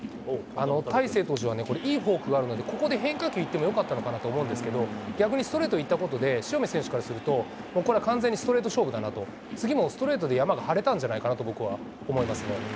大勢投手は、これ、いいフォークがあるので、ここで変化球いってもよかったのかなと思うんですけど、逆にストレート行ったことで、塩見選手からすると、これは完全にストレート勝負だなと、次はストレートで山が張れたんじゃないかなと、僕は思いますね。